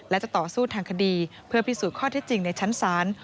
และจะต่อสู้ทางคดีเพื่อพิสูจน์ข้อเท็จจริงในชั้นศาล